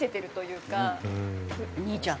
兄ちゃん。